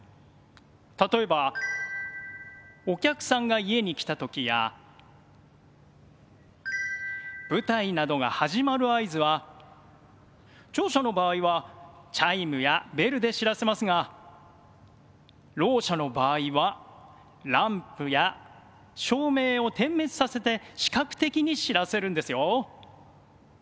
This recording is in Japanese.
例えばお客さんが家に来た時や舞台などが始まる合図は聴者の場合はチャイムやベルで知らせますがろう者の場合はランプや照明を点滅させて視覚的に知らせるんですよ。